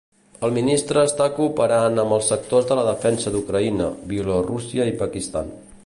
El ministre està cooperant amb els sectors de la defensa d'Ucraïna, Bielorússia i Pakistan.